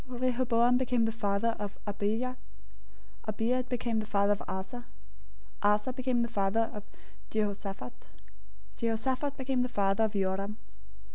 Rehoboam became the father of Abijah. Abijah became the father of Asa. 001:008 Asa became the father of Jehoshaphat. Jehoshaphat became the father of Joram.